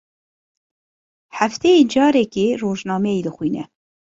Hefteyê carekê rojnameyê dixwîne.